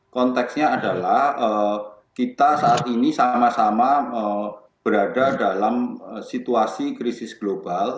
konteksnya adalah kita saat ini sama sama berada dalam situasi krisis global